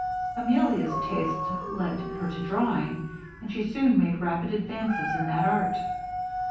Emilia's taste led her to drawing, and she soon made rapid advances in that art.